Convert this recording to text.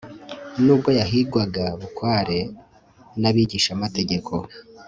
Nubwo yahigwaga bukware nabigishamategeko